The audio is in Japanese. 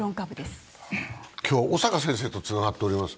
今日は小坂先生とつながっております。